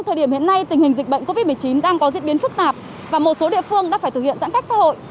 thời điểm hiện nay tình hình dịch bệnh covid một mươi chín đang có diễn biến phức tạp và một số địa phương đã phải thực hiện giãn cách xã hội